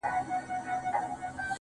واه واه، خُم د شرابو ته راپرېوتم، بیا.